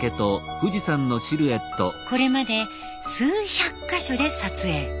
これまで数百か所で撮影。